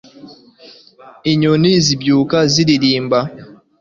inyoni zibyuka ziririmba